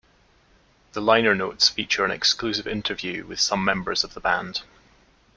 The liner notes feature an exclusive interview with some members of the band.